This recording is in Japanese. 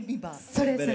それそれ。